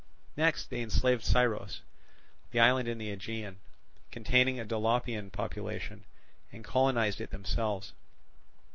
Next they enslaved Scyros, the island in the Aegean, containing a Dolopian population, and colonized it themselves.